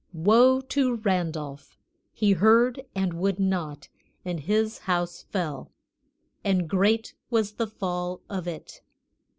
Woe to Randolph! he heard and would not, and his house fell, and great was the fall of it.